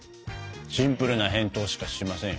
シンプルな返答しかしませんよ。